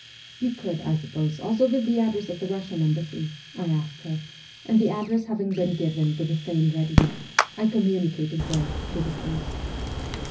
' You could, I suppose, also give the address of the Russian embassy ?' I asked her, and the address having been given with the same readiness, I com municated both to the priest.